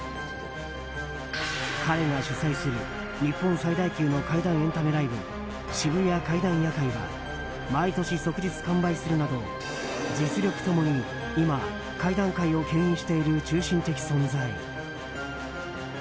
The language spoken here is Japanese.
彼が主宰する日本最大級の怪談エンタメライブ「渋谷怪談夜会」は毎年即日完売するなど実力共に今、怪談界を牽引している中心的存在。